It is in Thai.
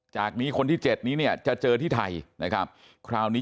จากนี้คนที่เจ็ดจะเจอที่ไทยคราวนี้